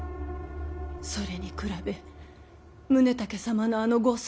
それに比べ宗武様のあのご聡明さ